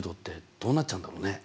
どうなっちゃうんだろう？